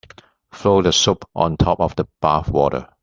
Float the soap on top of the bath water.